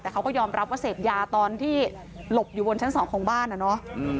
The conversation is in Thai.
แต่เขาก็ยอมรับว่าเสพยาตอนที่หลบอยู่บนชั้นสองของบ้านอ่ะเนาะ